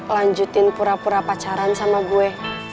lanjutin pura pura pacaran sama gue